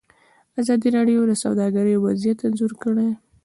ازادي راډیو د سوداګري وضعیت انځور کړی.